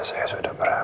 saya selalu berdoa